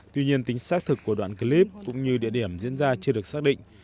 tuy nhiên tính xác thực của đoạn clip cũng như địa điểm diễn ra chưa được xác định